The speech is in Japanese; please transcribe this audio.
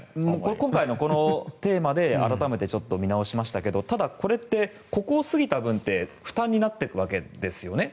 今回のこのテーマで改めて見直しましたけどただ、ここってここを過ぎた分って負担になっていくわけですよね。